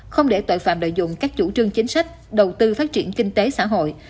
không để tội phạm lợi dụng các chủ trương chính sách đầu tư phát triển kinh tế xã hội